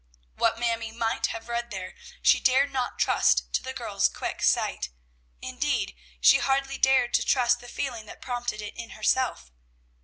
What Mamie might have read there, she dared not trust to the girl's quick sight; indeed, she hardly dared to trust the feeling that prompted it in herself.